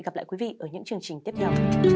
hẹn gặp lại quý vị ở những chương trình tiếp theo